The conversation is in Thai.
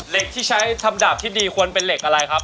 ที่ใช้ทำดาบที่ดีควรเป็นเหล็กอะไรครับ